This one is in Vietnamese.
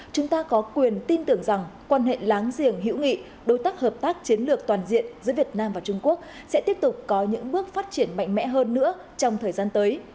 chúng ta có quyền tin tưởng rằng quan hệ láng giềng hữu nghị đối tác hợp tác chiến lược toàn diện giữa việt nam và trung quốc sẽ tiếp tục có những bước phát triển mạnh mẽ hơn nữa trong thời gian tới